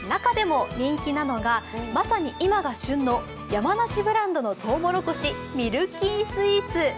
中でも人気なのがまさに今が旬の山梨ブランドのとうもろこし、ミルキースイーツ。